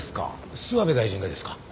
諏訪部大臣がですか？